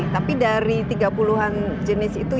tapi dari tiga puluh an jenis itu yang paling banyak juga